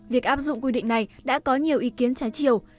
việc áp dụng quy định này đã có nhiều ý kiến trái chiều